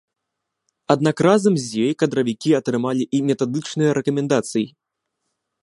Аднак разам з ёй кадравікі атрымалі і метадычныя рэкамендацыі.